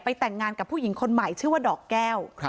แต่งงานกับผู้หญิงคนใหม่ชื่อว่าดอกแก้ว